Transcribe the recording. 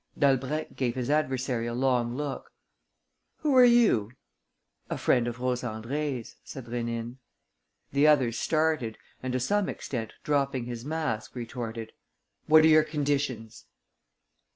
Dalbrèque gave his adversary a long look: "Who are you?" "A friend of Rose Andrée's," said Rénine. The other started and, to some extent dropping his mask, retorted: "What are your conditions?"